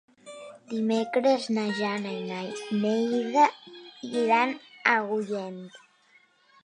Dimecres na Jana i na Neida iran a Agullent.